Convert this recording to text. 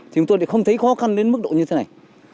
thì chúng tôi không thấy khó khăn đến mức độ như thế này